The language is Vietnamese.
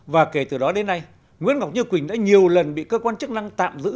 và kể từ đó đến nay nguyễn ngọc như quỳnh đã nhiều lần bị cơ quan chức năng tạm giữ